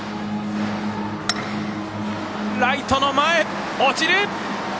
ライトの前、落ちる！